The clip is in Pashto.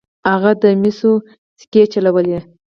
هغه د مسو سکې چلولې.